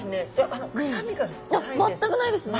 あっ全くないですね。